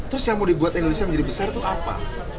terus yang mau dibuat indonesia menjadi besar itu apa